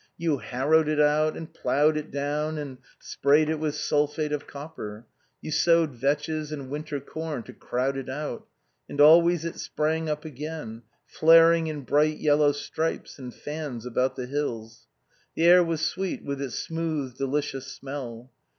You harrowed it out and ploughed it down and sprayed it with sulphate of copper; you sowed vetches and winter corn to crowd it out; and always it sprang up again, flaring in bright yellow stripes and fans about the hills. The air was sweet with its smooth, delicious smell.